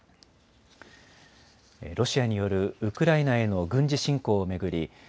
ロシアによるウクライナへの軍事侵攻を巡り